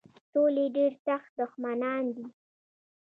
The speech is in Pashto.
سولي ډېر سخت دښمنان دي.